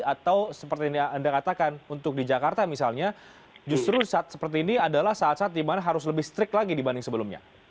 atau seperti yang anda katakan untuk di jakarta misalnya justru saat seperti ini adalah saat saat di mana harus lebih strik lagi dibanding sebelumnya